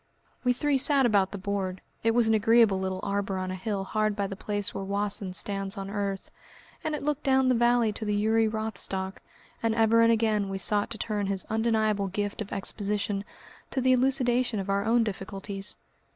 We three sat about the board it was in an agreeable little arbour on a hill hard by the place where Wassen stands on earth, and it looked down the valley to the Uri Rothstock, and ever and again we sought to turn his undeniable gift of exposition to the elucidation of our own difficulties.